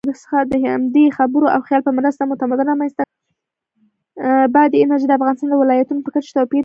بادي انرژي د افغانستان د ولایاتو په کچه توپیر لري.